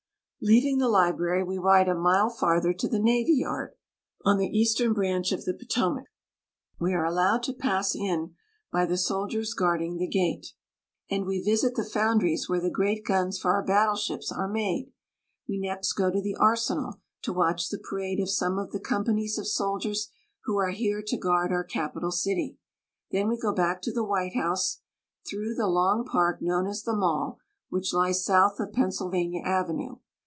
Leaving the library, we ride a mile farther to the navy yard, on the eastern branch of the Potomac. We are al lowed to pass in by the soldiers guarding the gate, and we The Smithsonian Institution. visit the foundries where the great guns for our battle ships are made. We next go to the arsenal to watch the parade of some of the companies of soldiers who are here to guard our capital city. Then we go back to the White House through the long park known as the Mall, which lies south of Pennsylvania Avenue.